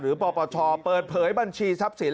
ปปชเปิดเผยบัญชีทรัพย์สิน